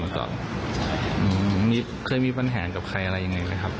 อืมมีเคยมีปัญหากับใครอะไรยังไงนะครับ